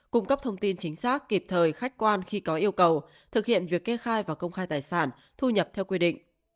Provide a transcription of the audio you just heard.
cung cấp thông tin chính xác kịp thời khách quan khi có yêu cầu thực hiện việc kê khai và công khai tài sản thu nhập theo quy định